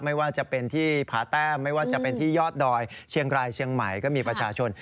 ไม่ว่าจะเป็นที่ผาแต้มไม่ว่าจะเป็นที่ยอดดอยเชียงรายเชียงใหม่ก็มีประชาชน